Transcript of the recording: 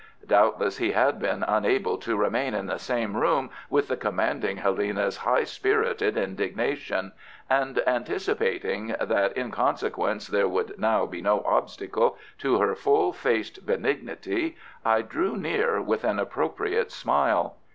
Doubtless he had been unable to remain in the same room with the commanding Helena's high spirited indignation, and anticipating that in consequence there would now be no obstacle to her full faced benignity, I drew near with an appropriate smile.